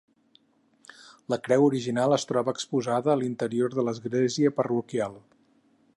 La creu original es troba exposada a l'interior de l'església parroquial.